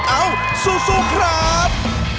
เอ้าซูซูครับ